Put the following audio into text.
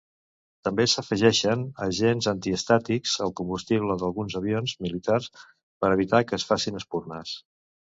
També s'afegeixen agents antiestàtics als combustibles d'alguns avions militars per evitar que es facin espurnes.